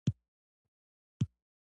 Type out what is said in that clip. د احمد مور خپل پوډري زوی ښیرأ کاوه.